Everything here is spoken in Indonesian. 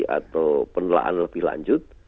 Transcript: atau penelaan lebih lanjut